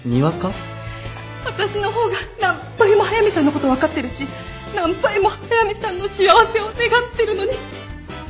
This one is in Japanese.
私の方が何倍も速見さんのこと分かってるし何倍も速見さんの幸せを願ってるのに。